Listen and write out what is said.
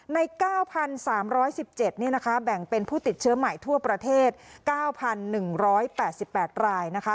ใน๙๓๑๗เนี่ยนะคะแบ่งเป็นผู้ติดเชื้อใหม่ทั่วประเทศ๙๑๘๘รายนะคะ